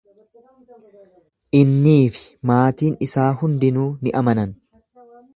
Inniii fi maatiin isaa hundinuu ni amanan.